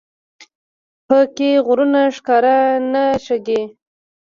نه په کې غرونه ښکاري نه شګې.